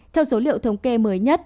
theo số liệu thống kê mới nhất